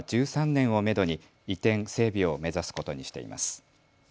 １３年をめどに移転・整備を目指すことにしています。